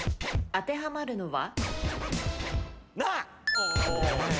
当てはまるのは？